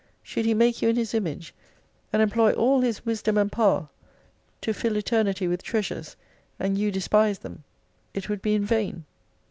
Should He make you in His Image, and employ all His wisdom and power to fill Eternity with treasures, and you despise them, it would be in vain.